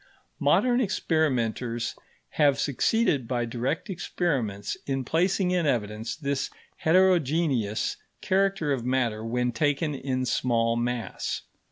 Modern experimenters have succeeded by direct experiments in placing in evidence this heterogeneous character of matter when taken in small mass.